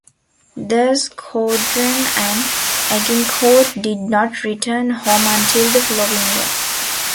The squadron and "Agincourt" did not return home until the following year.